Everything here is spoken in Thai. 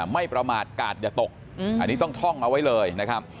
ไม่ประมาทกาดอย่าตกอันนี้ต้องท่องเอาไว้เลยนะครับ